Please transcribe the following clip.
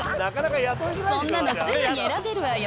そんなにすぐに選べるわよ。